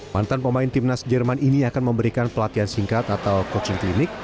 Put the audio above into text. mantan pemain timnas jerman ini akan memberikan pelatihan singkat atau coaching klinic